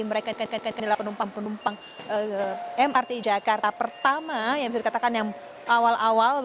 mereka dekatkan adalah penumpang penumpang mrt jakarta pertama yang bisa dikatakan yang awal awal